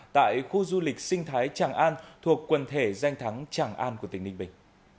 tại khu du lịch sinh thái tràng an thuộc quần thể danh thắng tràng an của tỉnh ninh bình